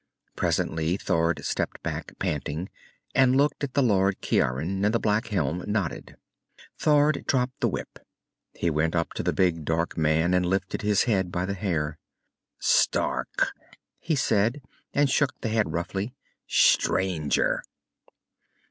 Presently Thord stepped back, panting, and looked at the Lord Ciaran. And the black helm nodded. Thord dropped the whip. He went up to the big dark man and lifted his head by the hair. "Stark," he said, and shook the head roughly. "Stranger!"